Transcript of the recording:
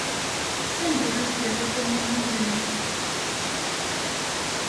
Sanda ay terra tammumin-nni?